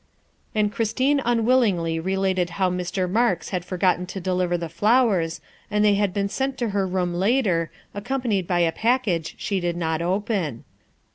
And Christine unwillingly related how Mr. Marks had forgotten to deliver the flowers and they had been sent to her room later, accompanied by a package she did not open.